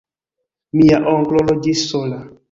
Mia onklo loĝis sola.